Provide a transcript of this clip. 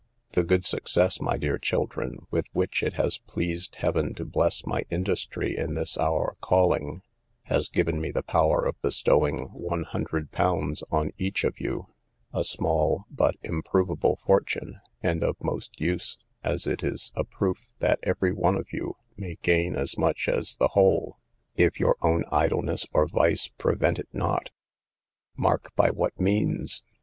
The good success, my dear children, with which it has pleased heaven to bless my industry in this our calling, has given me the power of bestowing one hundred pounds on each of you, a small, but improvable fortune, and of most use, as it is a proof that every one of you may gain as much as the whole, if your own idleness or vice prevent it not;—mark by what means!